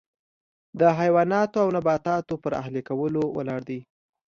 د حیواناتو او نباتاتو پر اهلي کولو ولاړ دی.